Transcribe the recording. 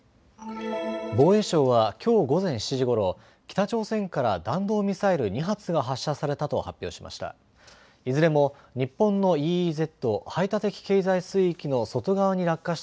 防衛省はきょう午前７時ごろ、北朝鮮から弾道ミサイル２発が発射されたと発表しました。